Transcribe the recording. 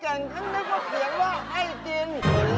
ครึ่งทั้งนั้นก็เสียงว่าให้จิน